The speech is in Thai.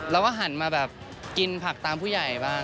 เราก็หันมาแบบกินผักตามผู้ใหญ่บ้าง